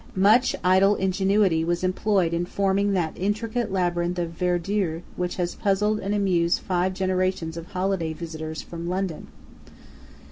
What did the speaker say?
Much idle ingenuity was employed in forming that intricate labyrinth of verdure which has puzzled and amused five generations of holiday visitors from London.